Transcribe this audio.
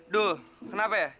duh kenapa ya